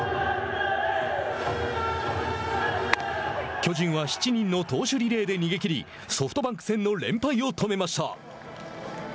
巨人は７人の投手リレーで逃げきりソフトバンク戦の連敗を止めました。